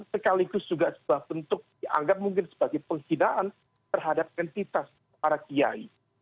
sekaligus juga sebuah bentuk dianggap mungkin sebagai penghinaan terhadap entitas para kiai